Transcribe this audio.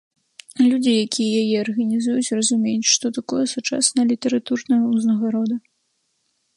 Людзі, якія яе арганізуюць, разумеюць, што такое сучасная літаратурная ўзнагарода.